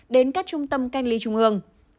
đến các trung tâm cách ly trung ương